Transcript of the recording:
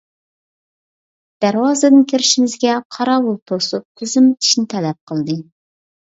دەرۋازىدىن كىرىشىمىزگە قاراۋۇل توسۇپ، تىزىملىتىشنى تەلەپ قىلدى.